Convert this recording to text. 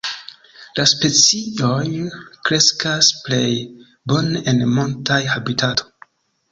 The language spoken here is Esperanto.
La specioj kreskas plej bone en montaj habitato.